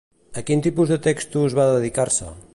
A quins tipus de textos va dedicar-se?